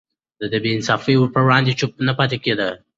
ده د بې انصافي پر وړاندې چوپ نه پاتې کېده.